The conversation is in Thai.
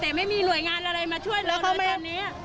แต่ไม่มีหน่วยงานอะไรมาช่วยเราเดือนนี้